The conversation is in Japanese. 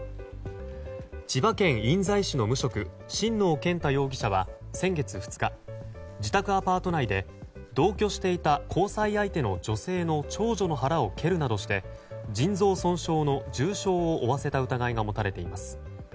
千葉県印西市の無職新納健太容疑者は先月２日、自宅アパート内で同居していた交際相手の女性の長女の腹を蹴るなどして腎臓損傷の重傷を負わせた疑いが持たれています。